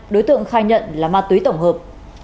đối tượng khai nhận là ma túy tổng hợp